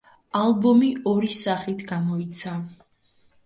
ალბომი ორი სახით გამოიცა.